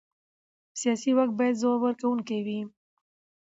سیاسي واک باید ځواب ورکوونکی وي